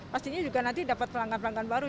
pastinya juga nanti dapat pelanggan pelanggan baru